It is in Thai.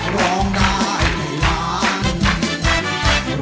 ร้องได้ไงล่ะ